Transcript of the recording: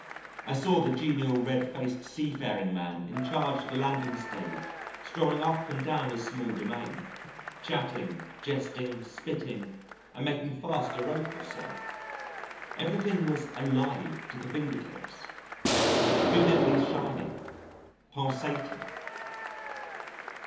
I saw the genial, red faced sea faring man in charge of the landing stage strolling up and down his small domain, chatting, jesting, spitting, and making fast a rope or so. Everything was alive to the finger tips, vividly shining, pulsating.